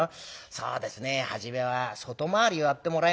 そうですね初めは外回りをやってもらいましょうか」。